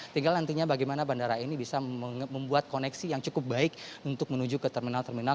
tinggal nantinya bagaimana bandara ini bisa membuat koneksi yang cukup baik untuk menuju ke terminal terminal